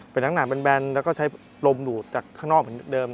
เป็นหนังแบนแล้วก็ใช้ลมดูดจากข้างนอกเหมือนเดิม